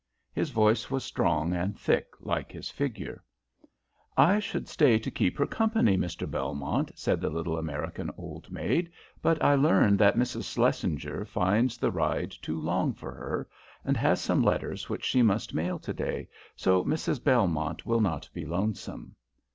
His voice was strong and thick like his figure. "I should stay to keep her company, Mr. Belmont," said the little American old maid; "but I learn that Mrs. Shlesinger finds the ride too long for her, and has some letters which she must mail to day, so Mrs. Belmont will not be lonesome."